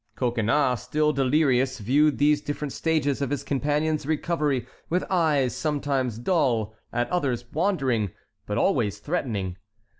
Coconnas, still delirious, viewed these different stages of his companion's recovery with eyes sometimes dull, at others wandering, but always threatening.